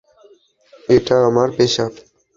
এটা আমার পেশা।